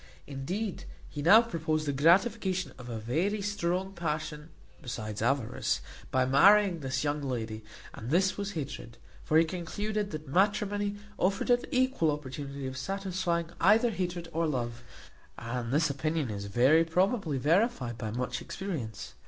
Indeed, he now proposed the gratification of a very strong passion besides avarice, by marrying this young lady, and this was hatred; for he concluded that matrimony afforded an equal opportunity of satisfying either hatred or love; and this opinion is very probably verified by much experience.